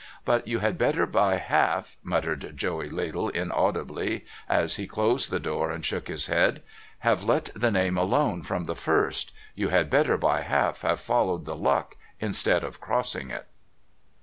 'But you had better by half,' muttered Joey Ladle inaudibly, as he closed the door and shook his head, ' have let the name alone from the first. You had better by half have followed the luck instead of crossing it.'